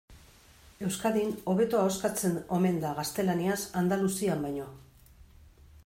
Euskadin hobeto ahoskatzen omen da gaztelaniaz Andaluzian baino.